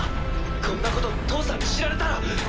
こんなこと父さんに知られたら。